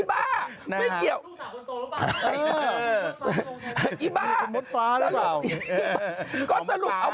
อีบ้าไม่เกี่ยวลูกสาวคนโตแล้วบ้าง